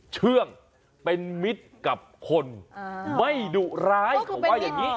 เชื่องเป็นมิตรกับคนไม่ดุร้ายเขาว่าอย่างนี้